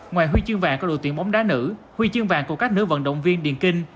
ngoài huy chương vàng có đội tuyển bóng đá nữ huy chương vàng của các nữ vận động viên điền kinh